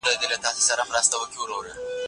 مذهب د خلګو په ژوند لوی اغېز درلود.